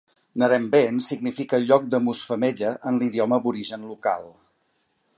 Narembeen significa "lloc d'emús femella" en l'idioma aborigen local.